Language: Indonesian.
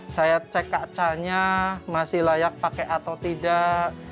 saya cek kacanya masih layak pakai atau tidak